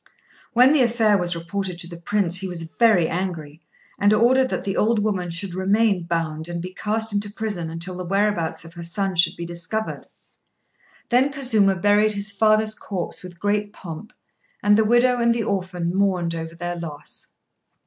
When the affair was reported to the Prince, he was very angry, and ordered that the old woman should remain bound and be cast into prison until the whereabouts of her son should be discovered. Then Kazuma buried his father's corpse with great pomp, and the widow and the orphan mourned over their loss.